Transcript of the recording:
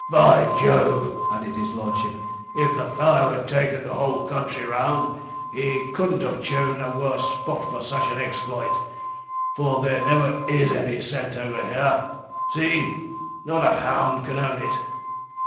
'By Jove,' added his lordship, 'if the fellow had taken the whole country round, he couldn't have chosen a worse spot for such an exploit; for there never is any scent over here. See! not a hound can own it.